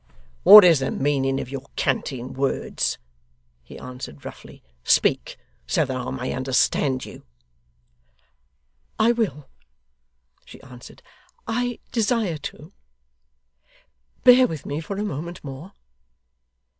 'What is the meaning of your canting words?' he answered roughly. 'Speak so that I may understand you.' 'I will,' she answered, 'I desire to. Bear with me for a moment more.